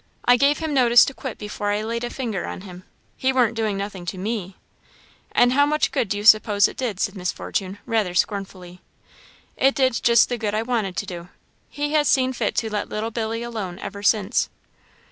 I gave him notice to quit before I laid a finger on him. He warn't doing nothing to me." "And how much good do you suppose it did?" said Miss Fortune, rather scornfully. "It did just the good I wanted to do. He has seen fit to let little Billy alone ever since."